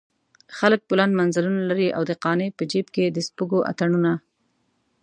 خلک بلند منزلونه لري او د قانع په جيب کې د سپږو اتڼونه.